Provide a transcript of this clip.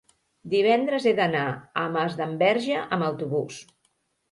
divendres he d'anar a Masdenverge amb autobús.